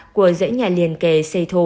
của dãy nhà liền kề xây thô